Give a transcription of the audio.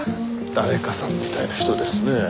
誰かさんみたいな人ですね。